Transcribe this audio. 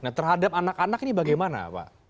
nah terhadap anak anak ini bagaimana pak